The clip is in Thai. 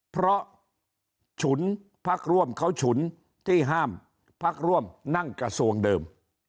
เพราะฉุนพักร่วมเขาฉุนที่ห้ามพักร่วมนั่งกระทรวงเดิม